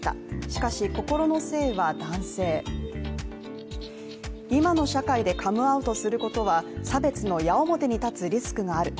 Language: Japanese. しかし心の性は男性、今の社会でカムアウトすることは差別の矢面に立つリスクがある。